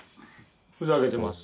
ふざけてます。